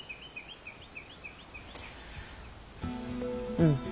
うん。